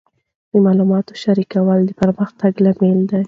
د معلوماتو شریکول د پرمختګ لامل دی.